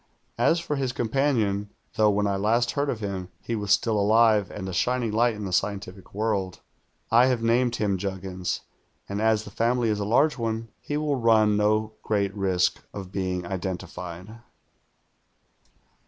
As for his companion, though when I last heard of liim he was still alive and a shining light in the scien tific world, I have named him Juggins, and as the family is a large one, he will run no great risk of being identified.